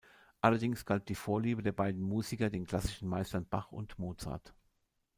Allerdings galt die Vorliebe der beiden Musiker den klassischen Meistern Bach und Mozart.